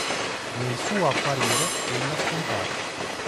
Nel suo apparire ella scompare.